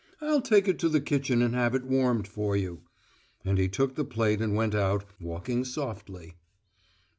I'll take it to the kitchen and have it warmed for you." And he took the plate and went out, walking softly.